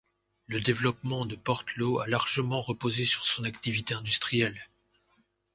Le développement de Portlaw a largement reposé sur son activité industrielle.